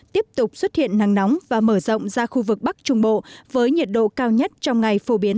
tiếp tục xuất hiện nắng nóng và mở rộng ra khu vực bắc trung bộ với nhiệt độ cao nhất trong ngày phổ biến